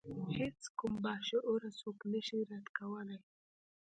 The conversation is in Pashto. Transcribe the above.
هیڅ کوم باشعوره څوک نشي رد کولای.